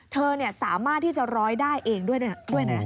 เธอสามารถที่จะร้อยได้เองด้วยนะ